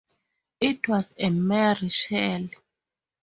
It was a mere shell.